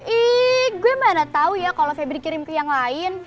ih gue mana tau ya kalau febri kirim ke yang lain